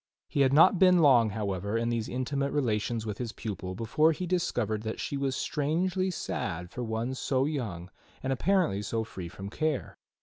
He had not been long, however, in these intimate relations with his pupil before he discovered that she was strangely sad for one so young and apparently so free from care.